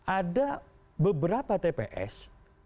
ada beberapa tps